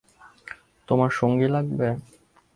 তোমার সঙ্গী লাগবে?